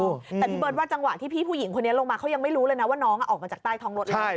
แต่พี่เบิร์ตว่าจังหวะที่พี่ผู้หญิงคนนี้ลงมาเขายังไม่รู้เลยนะว่าน้องออกมาจากใต้ท้องรถหรือเปล่า